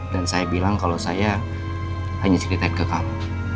dan saya bilang kalau saya hanya ceritain ke kamu